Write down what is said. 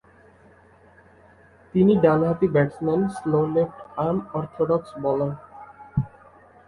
তিনি ডানহাতি batsman slow left arm orthodox bowler.